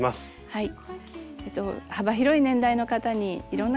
はい。